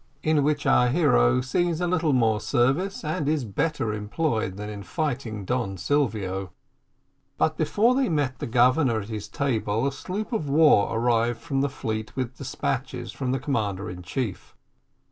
IN WHICH OUR HERO SEES A LITTLE MORE SERVICE, AND IS BETTER EMPLOYED THAN IN FIGHTING DON SILVIO. But before they met the Governor at his table, a sloop of war arrived from the fleet with despatches from the Commander in Chief.